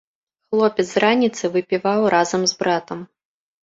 Хлопец з раніцы выпіваў разам з братам.